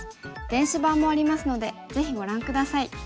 電子版もありますのでぜひご覧下さい。